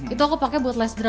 itu aku pake buat les drum